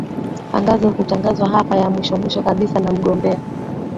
angazo kutangazwa hapa ya mwisho mwisho kabisa na mgombea